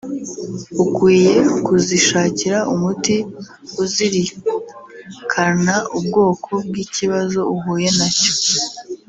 ukwiye kuzishakira umuti uzirikana ubwoko bw’ikibazo uhuye na cyo